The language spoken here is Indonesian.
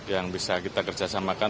yang bisa kita kerjasamakan